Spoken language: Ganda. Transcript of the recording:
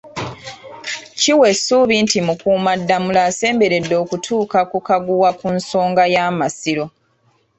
Kiwa essuubi nti Mukuumaddamula asemberedde okutuuka ku kaguwa ku nsonga y'Amasiro.